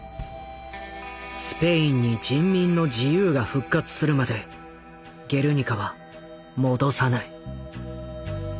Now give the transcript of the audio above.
「スペインに人民の自由が復活するまでゲルニカは戻さない」。